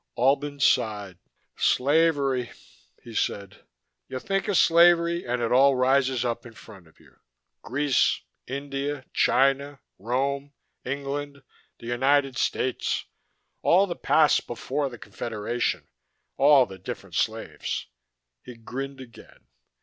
Albin sighed. "Slavery," he said. "You think of slavery and it all rises up in front of you Greece, India, China, Rome, England, the United States all the past before the Confederation, all the different slaves." He grinned again.